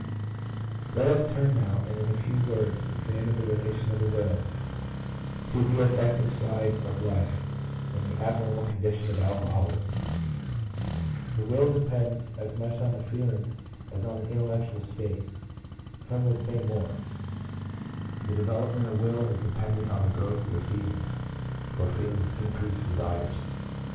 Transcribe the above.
Let us turn now, and in a few words examine the relation of the will to the affective side of life in the abnormal condition of alcoholism. The will depends 1 W. James, Psychology^ vol. ii. p. 565. 112 PSYCHOLOGY OF ALCOHOLISM. as much on the feelings as on the intellectual states ; some would say more. The development of will is dependent on the growth of the feelings, for feelings increase desires.